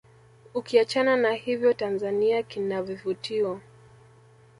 ukiachana na hivyo Tanzania kunavivutio